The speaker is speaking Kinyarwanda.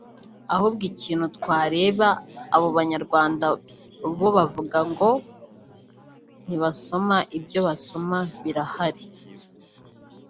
Ahubwo ikintu twareba abo banyarwanda bo bavuga ngo ntibasoma ibyo basoma birahari